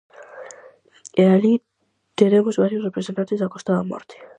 E alí teremos varios representantes da Costa da Morte.